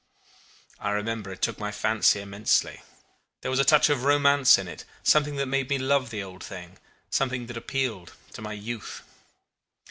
I remember it took my fancy immensely. There was a touch of romance in it, something that made me love the old thing something that appealed to my youth!